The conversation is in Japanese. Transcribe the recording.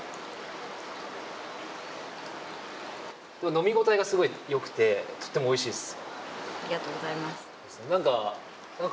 飲み応えがすごいよくてとってもおいしいです。